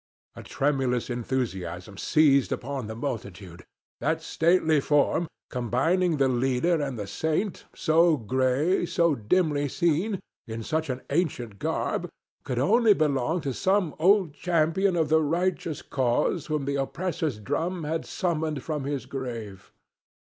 A tremulous enthusiasm seized upon the multitude. That stately form, combining the leader and the saint, so gray, so dimly seen, in such an ancient garb, could only belong to some old champion of the righteous cause whom the oppressor's drum had summoned from his grave.